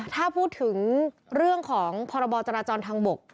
ถ้าพูดถึงเรื่องของพรบจราจรทางบก